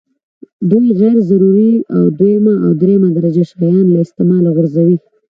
دوی غیر ضروري او دویمه او درېمه درجه شیان له استعماله غورځوي.